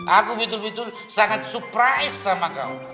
aku betul betul sangat surprise sama kamu